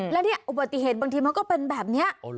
แล้วเนี่ยอุบัติเหตุบางทีมันก็เป็นแบบนี้